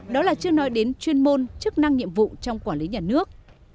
đó là chưa nói đến chuyên môn chức năng nhiệm vụ trong quản lý nhà nước